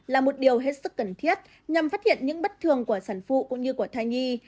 là một điều hết sức cần thiết nhằm phát hiện những bất thường của sản phụ cũng như của thai nhi